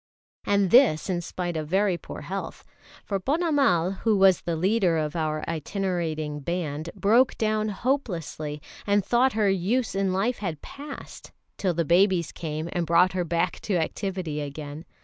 And this in spite of very poor health. For Ponnamal, who was the leader of our itinerating band, broke down hopelessly, and thought her use in life had passed till the babies came and brought her back to activity again.